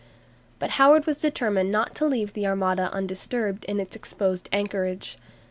But Howard was determined not to leave the Armada undisturbed in its exposed anchorage.